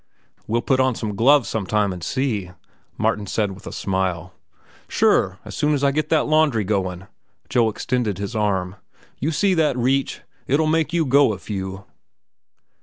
"We'll put on the gloves sometime and see," Martin said with a smile. "Sure; as soon as I get that laundry going." Joe extended his arm. "You see that reach? It'll make you go a few."